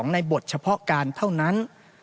ในบทเฉพาะการเท่านั้น